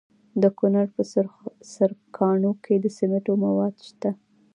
د کونړ په سرکاڼو کې د سمنټو مواد شته.